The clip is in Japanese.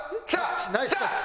ナイスタッチ。